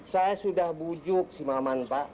saya sudah bujuk si maman pak